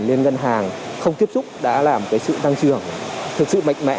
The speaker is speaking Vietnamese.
nên ngân hàng không tiếp xúc đã làm cái sự tăng trưởng thực sự mạnh mẽ